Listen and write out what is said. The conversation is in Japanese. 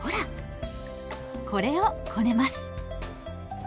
これをこねます。